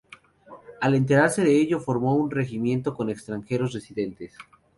Al enterarse de ello formó un regimiento con extranjeros residentes.